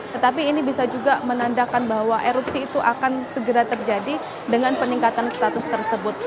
tetapi ini bisa juga menandakan bahwa erupsi itu akan segera terjadi dengan peningkatan status tersebut